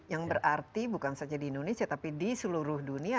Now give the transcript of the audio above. yang berarti bukan saja di indonesia tapi di seluruh dunia